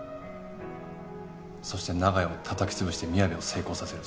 そして長屋をたたき潰してみやべを成功させる。